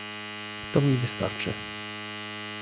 To mi wystarczy